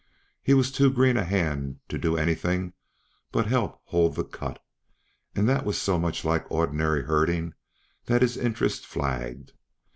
He was too green a hand to do anything but help hold the "cut," and that was so much like ordinary herd ing that his interest flagged.